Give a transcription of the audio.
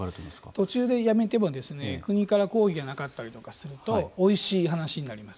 途中でやめても国から抗議がなかったりするとおいしい話になります。